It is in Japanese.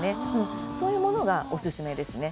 そういうものがおすすめです。